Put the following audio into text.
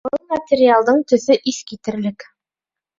Был материалдың төҫө иҫ китерлек